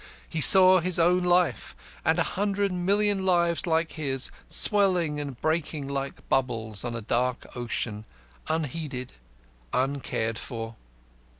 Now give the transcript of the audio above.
He saw his own life, and a hundred million lives like his, swelling and breaking like bubbles on a dark ocean, unheeded, uncared for.